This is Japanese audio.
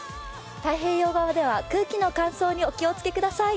太平洋側では空気の乾燥にお気をつけください。